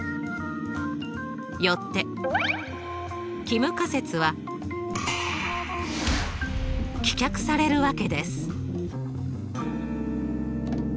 よって帰無仮説は棄却されるわけです。